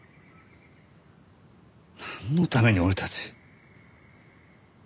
なんのために俺たち。